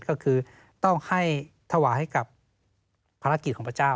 ก็คือต้องให้ถวายให้กับภารกิจของพระเจ้า